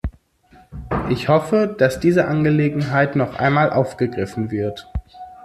Ich hoffe, dass diese Angelegenheit noch einmal aufgegriffen wird.